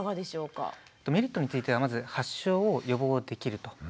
メリットについてはまず発症を予防できると。